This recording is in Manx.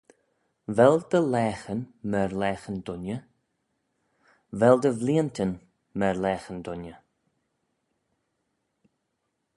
Vel dty laghyn myr laghyn dooinney? vel dty vleeantyn myr laghyn dooinney.